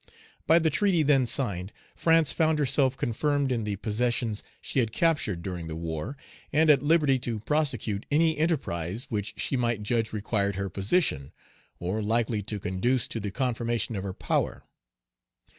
By the treaty then signed, France found herself confirmed in the possessions she had captured during the war, and at liberty to prosecute any enterprise which she might judge required by her position, or likely to conduce to the confirmation of her power.